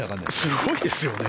すごいですよね。